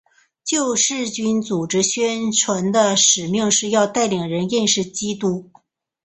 救世军组织宣传的使命是要带领人认识基督。